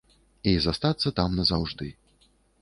І застацца там назаўжды.